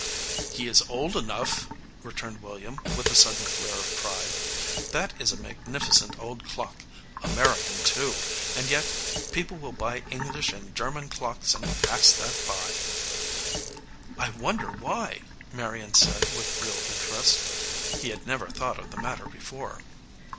"He is old enough," returned William, with a sudden flare of pride. "That is a magnificent old clock ; American, too, and yet people will buy Eng lish and German clocks and pass that by." "I wonder why," Marion said, with real inter est. He had never thought of the matter before.